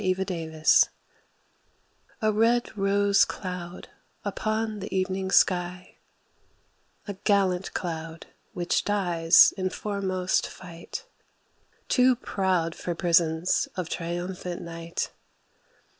THE LAST CLOUD A red rose cloud upon the evening sky, A gallant cloud which dies in foremost fight, Too proud for prisons of triumphant night.